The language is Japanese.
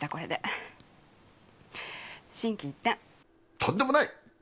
とんでもない！